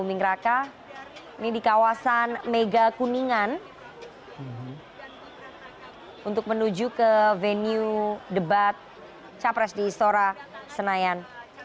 ini di kawasan mega kuningan untuk menuju ke venue debat capres di istora senayan